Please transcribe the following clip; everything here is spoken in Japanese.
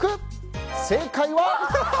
正解は、Ｂ！